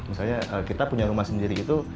misalnya kita punya rumah sendiri itu